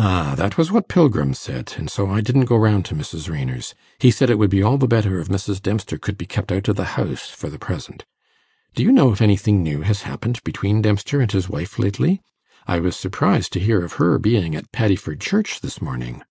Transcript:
'Ah, that was what Pilgrim said, and so I didn't go round to Mrs. Raynor's. He said it would be all the better if Mrs. Dempster could be kept out of the house for the present. Do you know if anything new has happened between Dempster and his wife lately? I was surprised to hear of her being at Paddiford Church this morning.